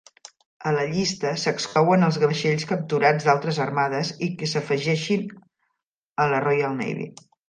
A la llista s'exclouen els vaixells capturats d'altres armades i que s'afegeixin a la Royal Navy.